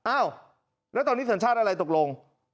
อ้าวแล้วตอนนี้สัญชาติอะไรตกลง